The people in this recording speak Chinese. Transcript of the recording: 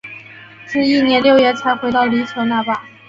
至翌年六月才回到琉球那霸。